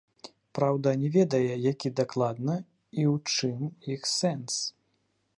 Праўда, не ведае, якія дакладна і ў чым іх сэнс.